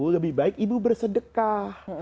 lebih baik ibu bersedekah